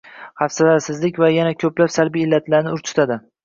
hafsalasizlik va yana ko‘plab salbiy illatlarni urchitadi